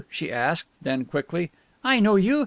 she asked; then quickly, "I know you.